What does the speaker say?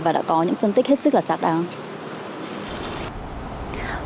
và đã có những phân tích hết sức là xác đáng